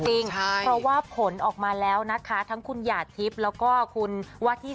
เพราะผลออกมาแล้วนะคะคุณหยาดทิพย์และวาฒีสามีคุณเมฆติดค